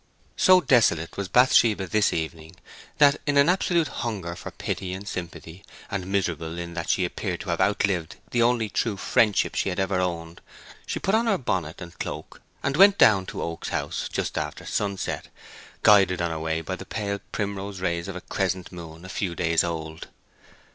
So desolate was Bathsheba this evening, that in an absolute hunger for pity and sympathy, and miserable in that she appeared to have outlived the only true friendship she had ever owned, she put on her bonnet and cloak and went down to Oak's house just after sunset, guided on her way by the pale primrose rays of a crescent moon a few days old.